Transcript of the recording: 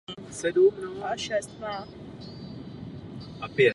Chceme to vyřešit co nejrychleji, ale také co nejlépe.